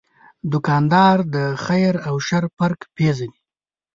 دوکاندار د خیر او شر فرق پېژني.